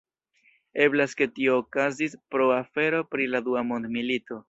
Eblas ke tio okazis pro afero pri la Dua Mondmilito.